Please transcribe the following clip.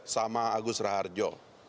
sama agus raharjo